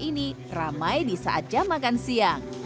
ini ramai di saat jam makan siang